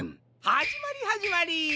はじまりはじまり！